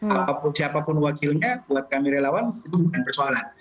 apapun siapapun wakilnya buat kami relawan itu bukan persoalan